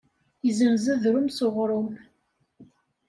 Izzenz adrum s uɣrum.